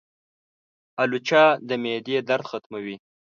الوچه د معدې درد ختموي.